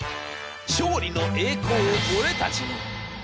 『勝利の栄光を俺たちに！』。